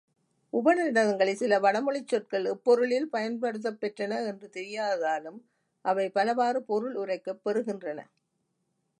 உபநிடதங்களில் சில வடமொழிச் சொற்கள் எப்பொருளில் பயன்படுத்தப்பெற்றன என்று தெரியாததாலும் அவை பலவாறு பொருள் உரைக்கப் பெறுகின்றன.